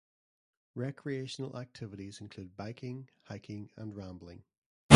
Recreational activities include biking, hiking, and rambling.